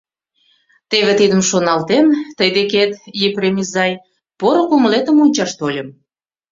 Теве тидым шоналтен, тый декет, Епрем изай, поро кумылетым ончаш тольым.